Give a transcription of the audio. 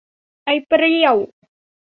ไอ้เปรี้ยว